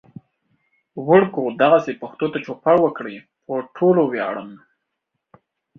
وړکو دغسې پښتو ته چوپړ وکړئ. پو ټولو وياړم